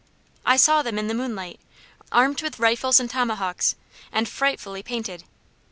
I saw them in the moonlight, armed with rifles and tomahawks, and frightfully painted.